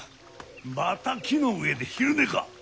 また木の上で昼寝か！